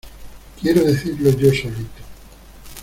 ¡Quiero decidirlo yo solito!